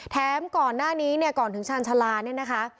ก่อนหน้านี้เนี่ยก่อนถึงชาญชาลาเนี่ยนะคะ